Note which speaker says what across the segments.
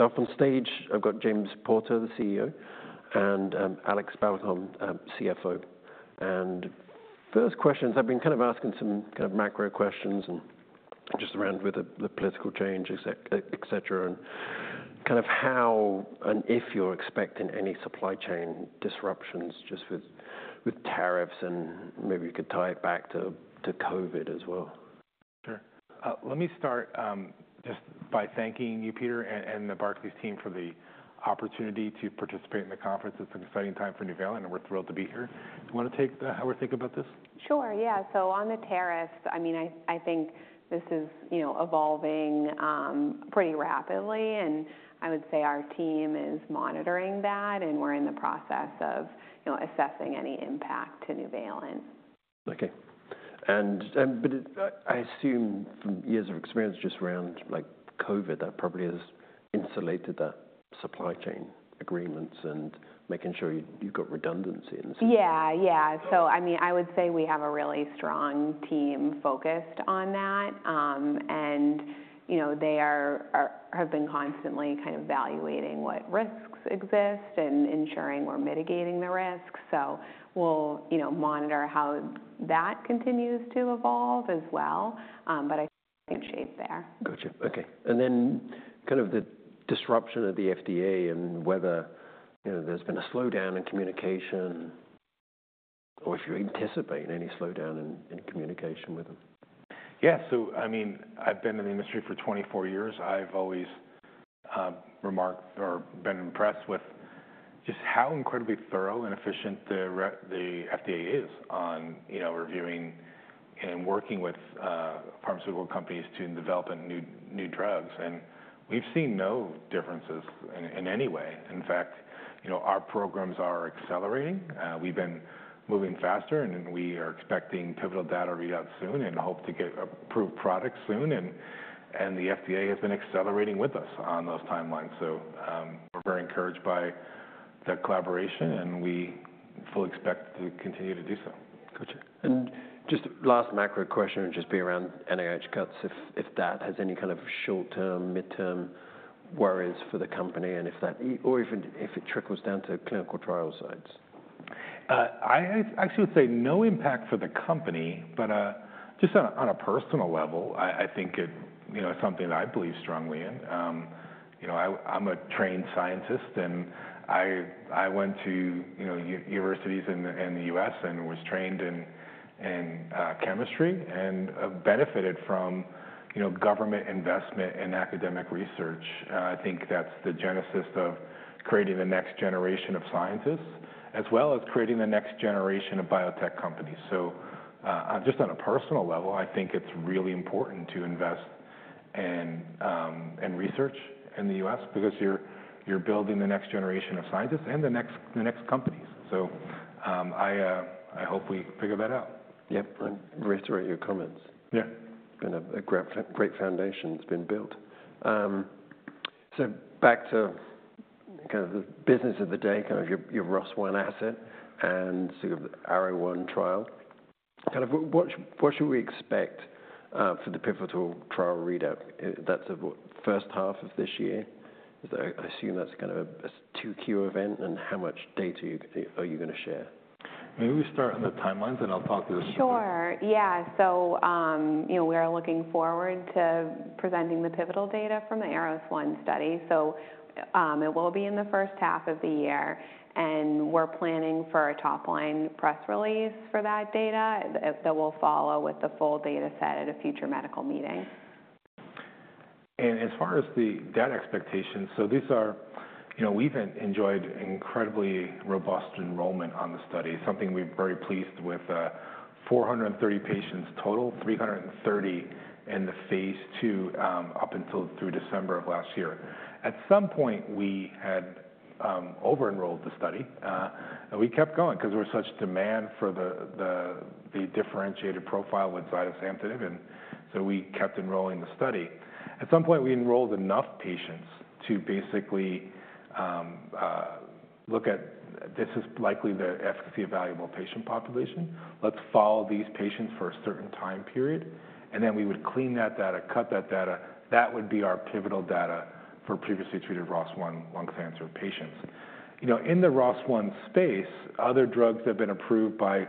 Speaker 1: Up on stage, I've got James Porter, the CEO, and Alex Balcom, CFO. First questions, I've been kind of asking some kind of macro questions and just around with the political change, et cetera, and kind of how and if you're expecting any supply chain disruptions just with tariffs, and maybe you could tie it back to COVID as well.
Speaker 2: Sure. Let me start just by thanking you, Peter, and the Barclays team for the opportunity to participate in the conference. It's an exciting time for Nuvalent, and we're thrilled to be here. Do you want to take how we're thinking about this?
Speaker 3: Sure, yeah. On the tariffs, I mean, I think this is evolving pretty rapidly, and I would say our team is monitoring that, and we're in the process of assessing any impact to Nuvalent.
Speaker 1: Okay. I assume from years of experience just around COVID, that probably has insulated that supply chain agreements and making sure you've got redundancy in the supply chain.
Speaker 3: Yeah, yeah. I mean, I would say we have a really strong team focused on that, and they have been constantly kind of evaluating what risks exist and ensuring we're mitigating the risks. We'll monitor how that continues to evolve as well, but I think shape there.
Speaker 1: Gotcha. Okay. And then kind of the disruption of the FDA and whether there's been a slowdown in communication or if you anticipate any slowdown in communication with them.
Speaker 2: Yeah. So I mean, I've been in the industry for 24 years. I've always remarked or been impressed with just how incredibly thorough and efficient the FDA is on reviewing and working with pharmaceutical companies to develop new drugs. We've seen no differences in any way. In fact, our programs are accelerating. We've been moving faster, and we are expecting pivotal data readouts soon and hope to get approved products soon. The FDA has been accelerating with us on those timelines. We are very encouraged by that collaboration, and we fully expect to continue to do so.
Speaker 1: Gotcha. Just last macro question would just be around NIH cuts, if that has any kind of short-term, mid-term worries for the company and if that or even if it trickles down to clinical trial sites.
Speaker 2: I actually would say no impact for the company, but just on a personal level, I think it's something that I believe strongly in. I'm a trained scientist, and I went to universities in the U.S. and was trained in chemistry and benefited from government investment in academic research. I think that's the genesis of creating the next generation of scientists as well as creating the next generation of biotech companies. Just on a personal level, I think it's really important to invest in research in the U.S. because you're building the next generation of scientists and the next companies. I hope we figure that out.
Speaker 1: Yeah. I'm ready to write your comments.
Speaker 2: Yeah.
Speaker 1: Kind of a great foundation has been built. Back to kind of the business of the day, kind of your ROS1 asset and sort of the ARROS-1 trial. Kind of what should we expect for the pivotal trial readout? That's the first half of this year. I assume that's kind of a 2Q event, and how much data are you going to share?
Speaker 2: Maybe we start on the timelines, and I'll talk to the.
Speaker 3: Sure. Yeah. We are looking forward to presenting the pivotal data from the ARROS-1 study. It will be in the first half of the year, and we're planning for a top-line press release for that data that will follow with the full data set at a future medical meeting.
Speaker 2: As far as the data expectations, these are we've enjoyed incredibly robust enrollment on the study, something we're very pleased with: 430 patients total, 330 in the phase two up until through December of last year. At some point, we had over-enrolled the study, and we kept going because there was such demand for the differentiated profile with zidesamtinib. We kept enrolling the study. At some point, we enrolled enough patients to basically look at this is likely the efficacy evaluable patient population. Let's follow these patients for a certain time period, and then we would clean that data, cut that data. That would be our pivotal data for previously treated ROS1 lung cancer patients. In the ROS1 space, other drugs have been approved by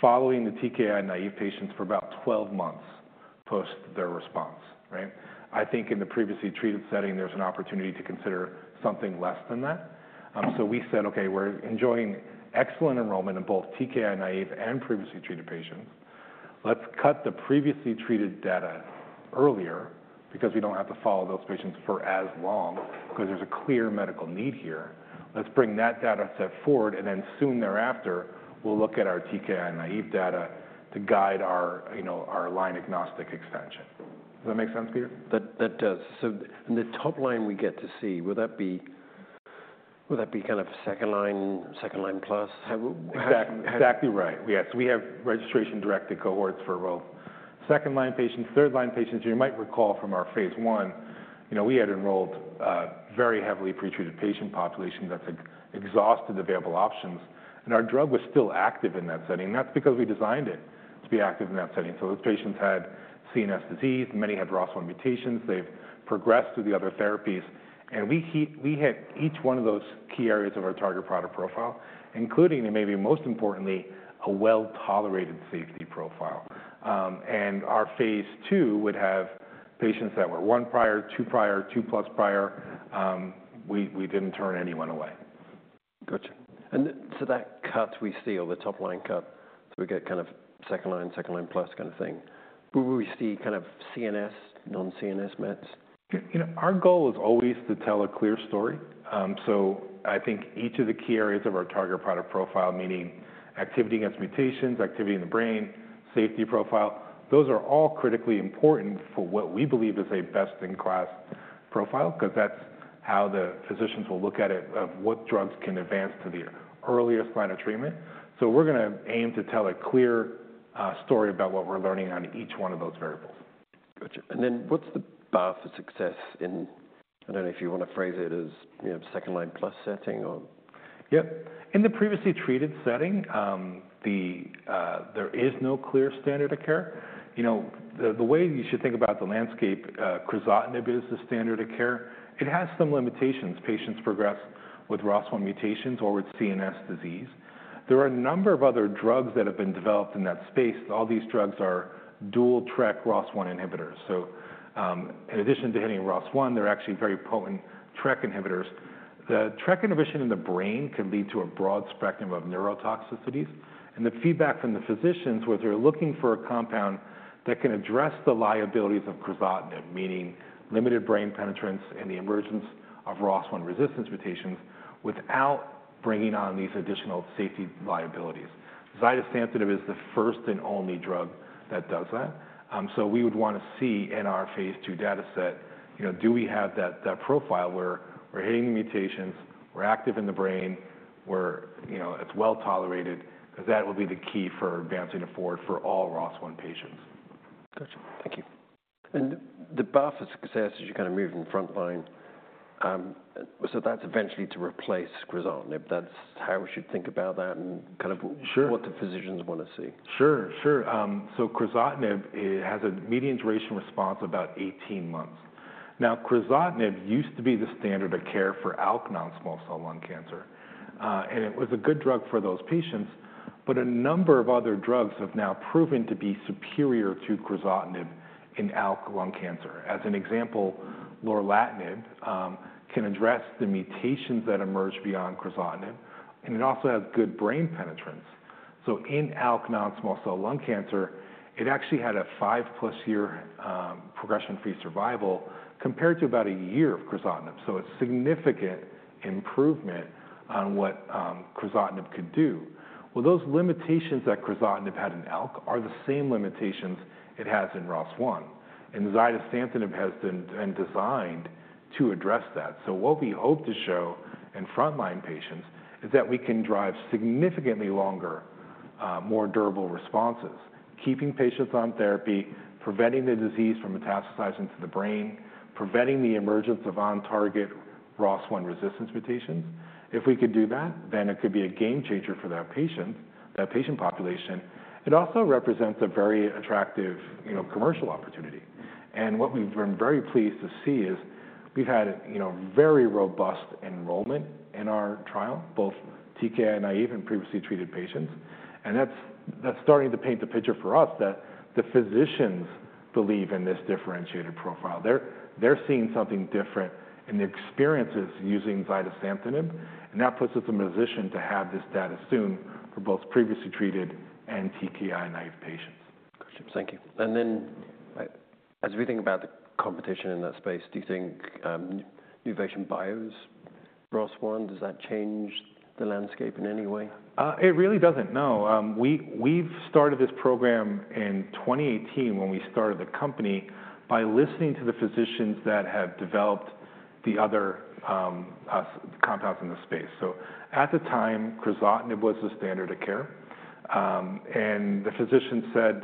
Speaker 2: following the TKI naive patients for about 12 months post their response, right? I think in the previously treated setting, there's an opportunity to consider something less than that. We said, "Okay, we're enjoying excellent enrollment in both TKI naive and previously treated patients. Let's cut the previously treated data earlier because we don't have to follow those patients for as long because there's a clear medical need here. Let's bring that data set forward, and then soon thereafter, we'll look at our TKI naive data to guide our line-agnostic extension." Does that make sense, Peter?
Speaker 1: That does. In the top line, we get to see, would that be kind of second line, second line plus?
Speaker 2: Exactly right. Yes. We have registration-directed cohorts for both second-line patients, third-line patients. You might recall from our phase one, we had enrolled very heavily pretreated patient population that's exhausted available options, and our drug was still active in that setting. That's because we designed it to be active in that setting. Those patients had CNS disease, many had ROS1 mutations. They've progressed through the other therapies, and we hit each one of those key areas of our target product profile, including, and maybe most importantly, a well-tolerated safety profile. Our phase two would have patients that were one prior, two prior, two plus prior. We didn't turn anyone away.
Speaker 1: Gotcha. That cut, we see on the top line cut, so we get kind of second line, second line plus kind of thing. We see kind of CNS, non-CNS mets?
Speaker 2: Our goal is always to tell a clear story. I think each of the key areas of our target product profile, meaning activity against mutations, activity in the brain, safety profile, those are all critically important for what we believe is a best-in-class profile because that is how the physicians will look at it, of what drugs can advance to the earliest line of treatment. We are going to aim to tell a clear story about what we are learning on each one of those variables.
Speaker 1: Gotcha. What is the path of success in, I do not know if you want to phrase it as second line plus setting or?
Speaker 2: Yeah. In the previously treated setting, there is no clear standard of care. The way you should think about the landscape, crizotinib is the standard of care. It has some limitations. Patients progress with ROS1 mutations or with CNS disease. There are a number of other drugs that have been developed in that space. All these drugs are dual-TRK ROS1 inhibitors. In addition to hitting ROS1, they're actually very potent TRK inhibitors. The TRK inhibition in the brain can lead to a broad spectrum of neurotoxicities, and the feedback from the physicians was they're looking for a compound that can address the liabilities of crizotinib, meaning limited brain penetrance and the emergence of ROS1 resistance mutations without bringing on these additional safety liabilities. Zidesamtinib is the first and only drug that does that. We would want to see in our phase two data set, do we have that profile where we're hitting the mutations, we're active in the brain, it's well tolerated, because that will be the key for advancing it forward for all ROS1 patients.
Speaker 1: Gotcha. Thank you. The path of success as you kind of move in front line, so that's eventually to replace crizotinib. That's how we should think about that and kind of what the physicians want to see.
Speaker 2: Sure, sure. So crizotinib has a median duration response of about 18 months. Now, crizotinib used to be the standard of care for ALK non-small cell lung cancer, and it was a good drug for those patients, but a number of other drugs have now proven to be superior to crizotinib in ALK lung cancer. As an example, lorlatinib can address the mutations that emerge beyond crizotinib, and it also has good brain penetrance. In ALK non-small cell lung cancer, it actually had a five-plus year progression-free survival compared to about a year of crizotinib. It is a significant improvement on what crizotinib could do. Those limitations that crizotinib had in ALK are the same limitations it has in ROS1, and zidesamtinib has been designed to address that. What we hope to show in front-line patients is that we can drive significantly longer, more durable responses, keeping patients on therapy, preventing the disease from metastasizing to the brain, preventing the emergence of on-target ROS1 resistance mutations. If we could do that, then it could be a game changer for that patient, that patient population. It also represents a very attractive commercial opportunity. What we've been very pleased to see is we've had very robust enrollment in our trial, both TKI naive and previously treated patients. That's starting to paint the picture for us that the physicians believe in this differentiated profile. They're seeing something different in the experiences using zidesamtinib, and that puts us in a position to have this data soon for both previously treated and TKI naive patients.
Speaker 1: Gotcha. Thank you. As we think about the competition in that space, do you think Nuvation Bio's ROS1, does that change the landscape in any way?
Speaker 2: It really doesn't, no. We've started this program in 2018 when we started the company by listening to the physicians that have developed the other compounds in the space. At the time, crizotinib was the standard of care, and the physicians said,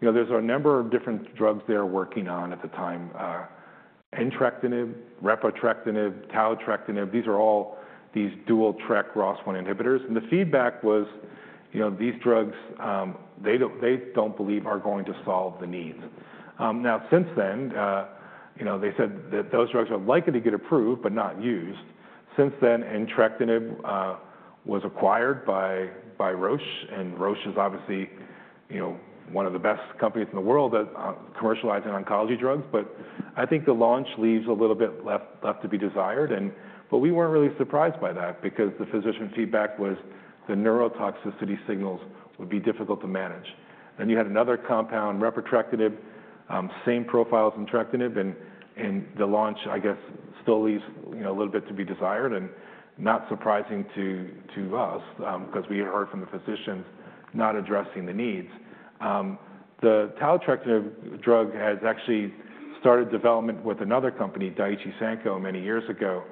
Speaker 2: "There's a number of different drugs they're working on at the time, entrectinib, repotrectinib, taletrectinib. These are all these dual-track ROS1 inhibitors." The feedback was, "These drugs, they don't believe are going to solve the needs." Now, since then, they said that those drugs are likely to get approved but not used. Since then, entrectinib was acquired by Roche, and Roche is obviously one of the best companies in the world that commercializes oncology drugs. I think the launch leaves a little bit left to be desired. We were not really surprised by that because the physician feedback was the neurotoxicity signals would be difficult to manage. You had another compound, repotrectinib, same profiles as entrectinib, and the launch, I guess, still leaves a little bit to be desired and not surprising to us because we had heard from the physicians not addressing the needs. The taletrectinib drug has actually started development with another company, Daiichi Sankyo, many years ago.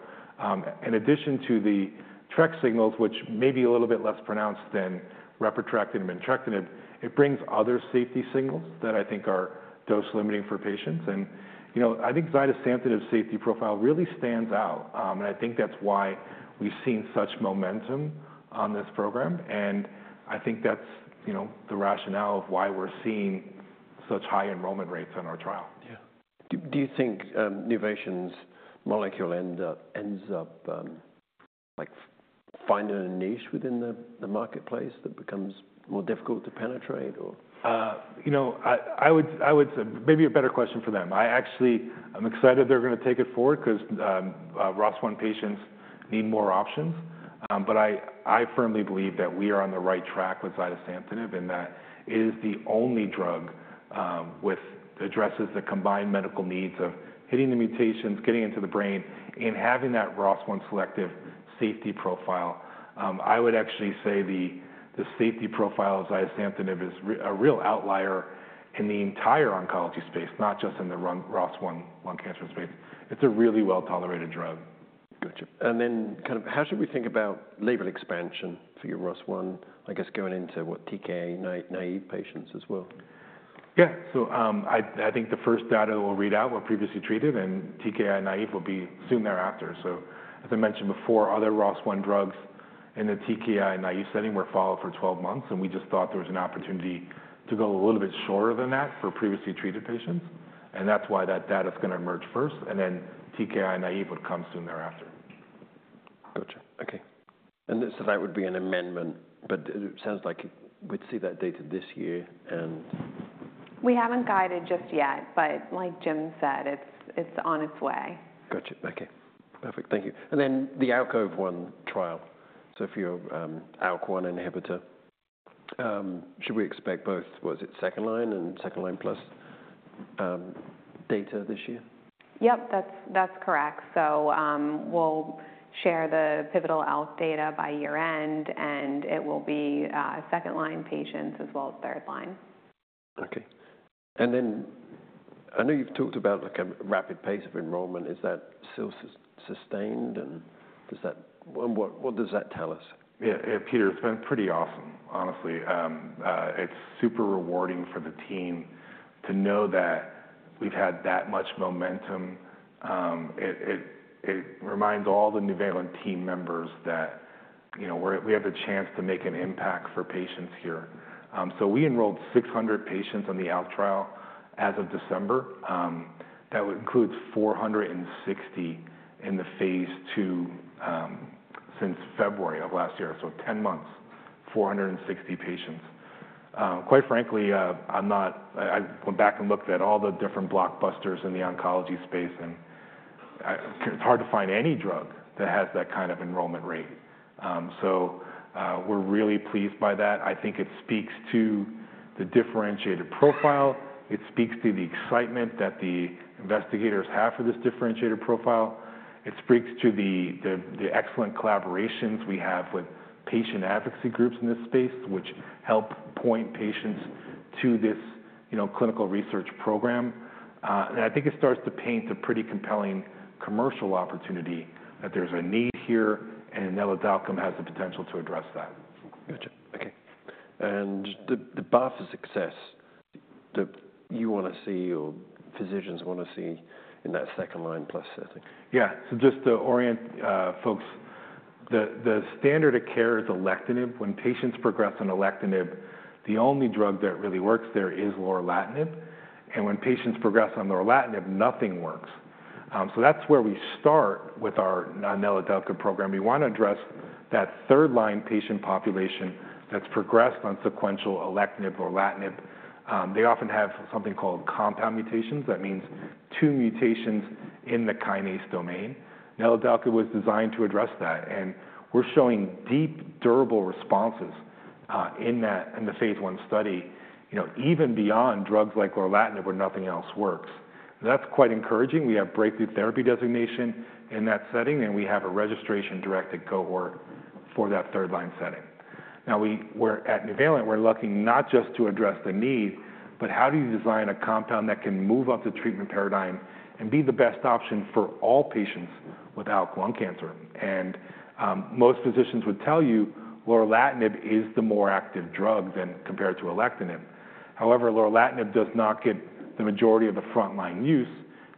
Speaker 2: In addition to the TRK signals, which may be a little bit less pronounced than repotrectinib and entrectinib, it brings other safety signals that I think are dose-limiting for patients. I think zidesamtinib's safety profile really stands out, and I think that is why we have seen such momentum on this program. I think that is the rationale of why we are seeing such high enrollment rates on our trial.
Speaker 1: Yeah. Do you think Nuvation's molecule ends up finding a niche within the marketplace that becomes more difficult to penetrate or?
Speaker 2: I would say maybe a better question for them. I actually am excited they're going to take it forward because ROS1 patients need more options. I firmly believe that we are on the right track with zidesamtinib in that it is the only drug that addresses the combined medical needs of hitting the mutations, getting into the brain, and having that ROS1 selective safety profile. I would actually say the safety profile of zidesamtinib is a real outlier in the entire oncology space, not just in the ROS1 lung cancer space. It's a really well-tolerated drug.
Speaker 1: Gotcha. And then kind of how should we think about label expansion for your ROS1, I guess, going into what, TKI naive patients as well?
Speaker 2: Yeah. I think the first data we'll read out were previously treated, and TKI naive will be soon thereafter. As I mentioned before, other ROS1 drugs in the TKI naive setting were followed for 12 months, and we just thought there was an opportunity to go a little bit shorter than that for previously treated patients. That's why that data is going to emerge first, and then TKI naive would come soon thereafter.
Speaker 1: Gotcha. Okay. That would be an amendment, but it sounds like we'd see that data this year.
Speaker 3: We haven't guided just yet, but like Jim said, it's on its way.
Speaker 1: Gotcha. Okay. Perfect. Thank you. And then the ALKOVE-1 trial, so for your ALK inhibitor, should we expect both, what is it, second line and second line plus data this year?
Speaker 3: Yep, that's correct. We will share the pivotal ALK data by year-end, and it will be second line patients as well as third line.
Speaker 1: Okay. I know you've talked about a rapid pace of enrollment. Is that still sustained? What does that tell us?
Speaker 2: Yeah, Peter, it's been pretty awesome, honestly. It's super rewarding for the team to know that we've had that much momentum. It reminds all the Nuvalent team members that we have the chance to make an impact for patients here. We enrolled 600 patients on the ALK trial as of December. That includes 460 in the phase two since February of last year. Ten months, 460 patients. Quite frankly, I went back and looked at all the different blockbusters in the oncology space, and it's hard to find any drug that has that kind of enrollment rate. We're really pleased by that. I think it speaks to the differentiated profile. It speaks to the excitement that the investigators have for this differentiated profile. It speaks to the excellent collaborations we have with patient advocacy groups in this space, which help point patients to this clinical research program. I think it starts to paint a pretty compelling commercial opportunity that there's a need here, and neladalkib has the potential to address that.
Speaker 1: Gotcha. Okay. The path of success that you want to see or physicians want to see in that second line plus setting?
Speaker 2: Yeah. Just to orient folks, the standard of care is alectinib. When patients progress on alectinib, the only drug that really works there is lorlatinib. When patients progress on lorlatinib, nothing works. That is where we start with our neladalkib program. We want to address that third line patient population that has progressed on sequential alectinib or lorlatinib. They often have something called compound mutations. That means two mutations in the kinase domain. Neladalkib was designed to address that, and we are showing deep, durable responses in the phase one study, even beyond drugs like lorlatinib where nothing else works. That is quite encouraging. We have breakthrough therapy designation in that setting, and we have a registration-directed cohort for that third line setting. Now, at Nuvalent, we're looking not just to address the need, but how do you design a compound that can move up the treatment paradigm and be the best option for all patients with ALK lung cancer? Most physicians would tell you lorlatinib is the more active drug than compared to alectinib. However, lorlatinib does not get the majority of the front line use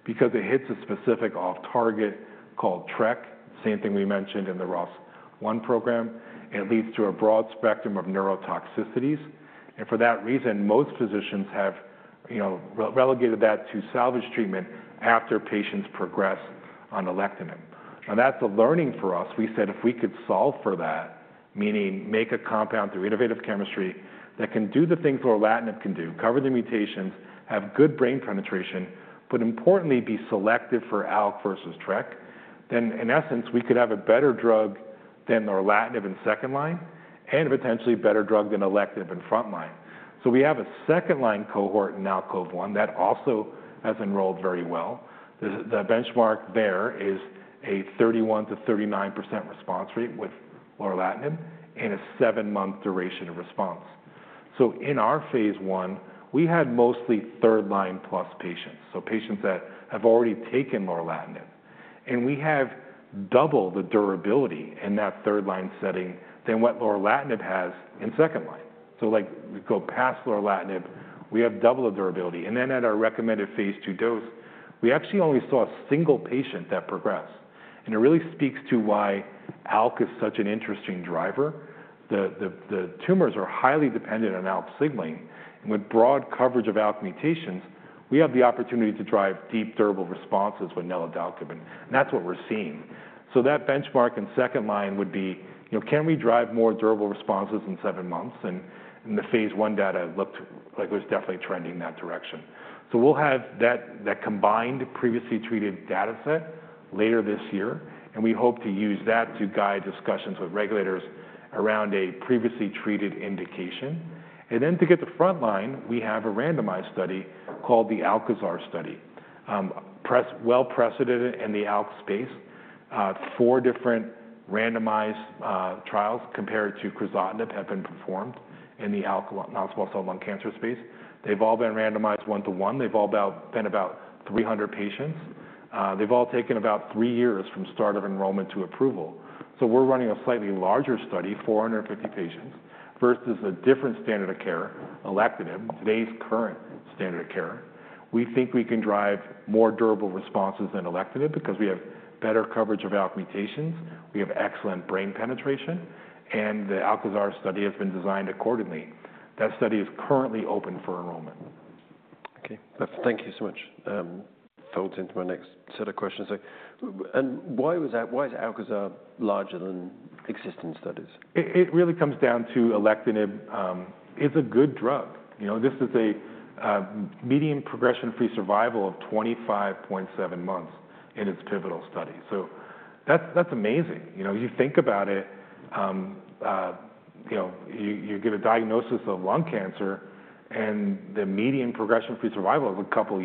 Speaker 2: because it hits a specific off-target called TRK, same thing we mentioned in the ROS1 program. It leads to a broad spectrum of neurotoxicities. For that reason, most physicians have relegated that to salvage treatment after patients progress on alectinib. Now, that's a learning for us. We said if we could solve for that, meaning make a compound through innovative chemistry that can do the things lorlatinib can do, cover the mutations, have good brain penetration, but importantly, be selective for ALK versus TRK, then in essence, we could have a better drug than lorlatinib in second line and potentially a better drug than alectinib in front line. We have a second line cohort in ALKOVE-1 that also has enrolled very well. The benchmark there is a 31%-39% response rate with lorlatinib and a seven-month duration of response. In our phase one, we had mostly third line plus patients, so patients that have already taken lorlatinib. We have double the durability in that third line setting than what lorlatinib has in second line. We go past lorlatinib, we have double the durability. At our recommended phase two dose, we actually only saw a single patient that progressed. It really speaks to why ALK is such an interesting driver. The tumors are highly dependent on ALK signaling. With broad coverage of ALK mutations, we have the opportunity to drive deep, durable responses with neladalkib. That is what we are seeing. That benchmark in second line would be, can we drive more durable responses than seven months? The phase one data looked like it was definitely trending in that direction. We will have that combined previously treated data set later this year, and we hope to use that to guide discussions with regulators around a previously treated indication. To get to the front line, we have a randomized study called the ALKOZAR study, well-precedented in the ALK space. Four different randomized trials compared to crizotinib have been performed in the ALK non-small cell lung cancer space. They've all been randomized one-to-one. They've all been about 300 patients. They've all taken about three years from start of enrollment to approval. We are running a slightly larger study, 450 patients, versus a different standard of care, alectinib, today's current standard of care. We think we can drive more durable responses than alectinib because we have better coverage of ALK mutations. We have excellent brain penetration, and the ALKOZAR study has been designed accordingly. That study is currently open for enrollment.
Speaker 1: Okay. Thank you so much. Folds into my next set of questions. Why is ALKOZAR larger than existing studies?
Speaker 2: It really comes down to alectinib. It's a good drug. This is a median progression-free survival of 25.7 months in its pivotal study. That's amazing. You think about it, you get a diagnosis of lung cancer, and the median progression-free survival is a couple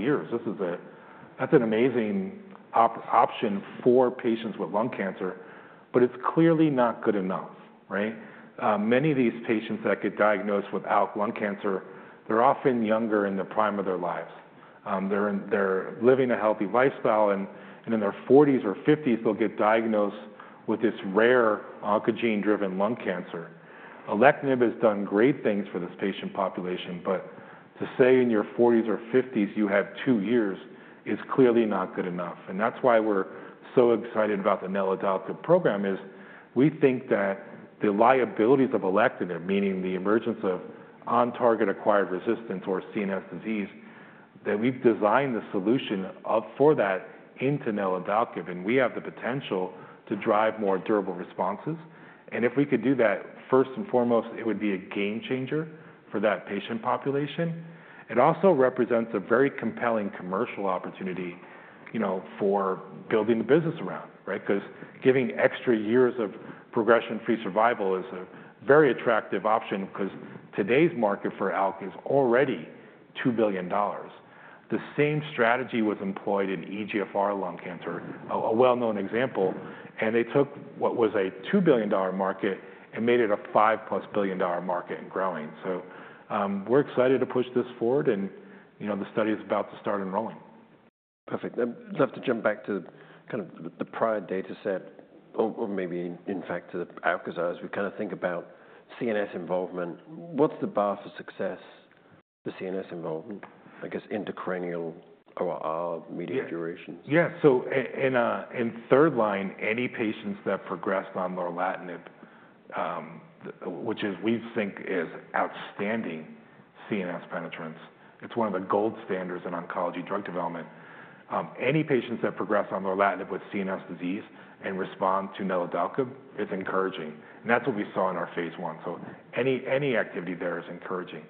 Speaker 2: of years. That's an amazing option for patients with lung cancer, but it's clearly not good enough, right? Many of these patients that get diagnosed with ALK lung cancer, they're often younger in the prime of their lives. They're living a healthy lifestyle, and in their 40s or 50s, they'll get diagnosed with this rare oncogene-driven lung cancer. Alectinib has done great things for this patient population, but to say in your 40s or 50s you have two years is clearly not good enough. That is why we're so excited about the neladalkib program, is we think that the liabilities of alectinib, meaning the emergence of on-target acquired resistance or CNS disease, that we've designed the solution for that into neladalkib, and we have the potential to drive more durable responses. If we could do that, first and foremost, it would be a game changer for that patient population. It also represents a very compelling commercial opportunity for building the business around, right? Because giving extra years of progression-free survival is a very attractive option because today's market for ALK is already $2 billion. The same strategy was employed in EGFR lung cancer, a well-known example, and they took what was a $2 billion market and made it a 5-plus billion market and growing. We are excited to push this forward, and the study is about to start enrolling.
Speaker 1: Perfect. I'd love to jump back to kind of the prior data set, or maybe in fact to the ALKOZARs, we kind of think about CNS involvement. What's the bar for success for CNS involvement, I guess, intracranial ORR, median durations?
Speaker 2: Yeah. In third line, any patients that progressed on lorlatinib, which we think is outstanding CNS penetrance, it's one of the gold standards in oncology drug development. Any patients that progress on lorlatinib with CNS disease and respond to neladalkib is encouraging. That's what we saw in our phase one. Any activity there is encouraging.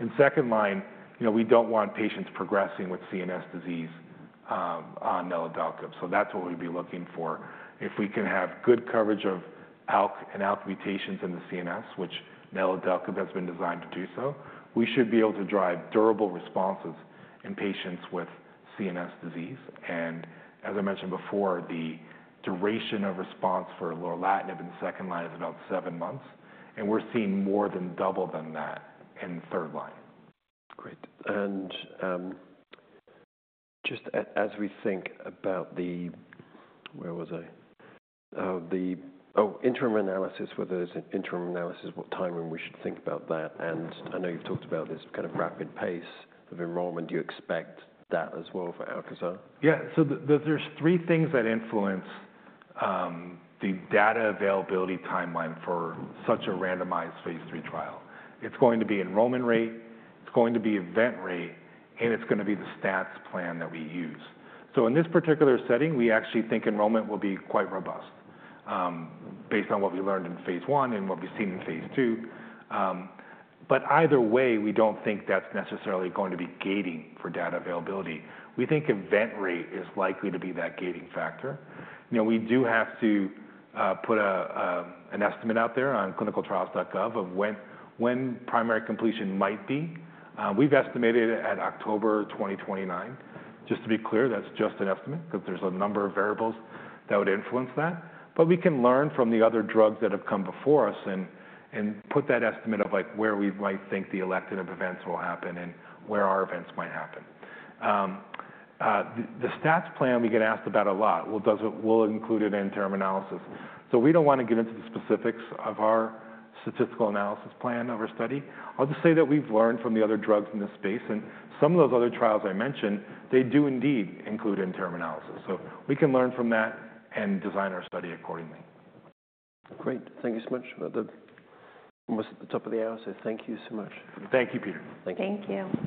Speaker 2: In second line, we don't want patients progressing with CNS disease on neladalkib. That's what we'd be looking for. If we can have good coverage of ALK and ALK mutations in the CNS, which neladalkib has been designed to do so, we should be able to drive durable responses in patients with CNS disease. As I mentioned before, the duration of response for lorlatinib in the second line is about seven months, and we're seeing more than double than that in third line.
Speaker 1: Great. Just as we think about the, where was I? Oh, interim analysis, whether it's interim analysis, what time when we should think about that. I know you've talked about this kind of rapid pace of enrollment. Do you expect that as well for ALKOZAR?
Speaker 2: Yeah. There are three things that influence the data availability timeline for such a randomized phase three trial. It's going to be enrollment rate, it's going to be event rate, and it's going to be the stats plan that we use. In this particular setting, we actually think enrollment will be quite robust based on what we learned in phase one and what we've seen in phase two. Either way, we don't think that's necessarily going to be gating for data availability. We think event rate is likely to be that gating factor. We do have to put an estimate out there on clinicaltrials.gov of when primary completion might be. We've estimated it at October 2029. Just to be clear, that's just an estimate because there are a number of variables that would influence that. We can learn from the other drugs that have come before us and put that estimate of where we might think the elective events will happen and where our events might happen. The stats plan, we get asked about a lot. We'll include it in interim analysis. We don't want to get into the specifics of our statistical analysis plan of our study. I'll just say that we've learned from the other drugs in this space. Some of those other trials I mentioned, they do indeed include interim analysis. We can learn from that and design our study accordingly.
Speaker 1: Great. Thank you so much. We're almost at the top of the hour, so thank you so much.
Speaker 2: Thank you, Peter.
Speaker 3: Thank you.